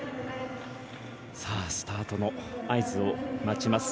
スタートの合図を待ちます。